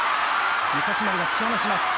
武蔵丸が突き放します。